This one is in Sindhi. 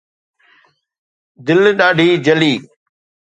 دل ڏاڍي جلي